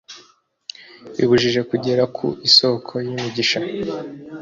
bibujije kugera ku isoko y'imigisha.